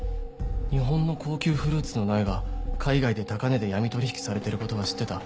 日本の高級フルーツの苗が海外で高値で闇取引されている事は知ってた。